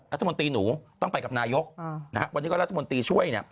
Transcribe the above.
รัฐมนตรีหนูต้องไปกับนายกนะฮะวันนี้ก็รัฐมนตรีช่วยเนี่ย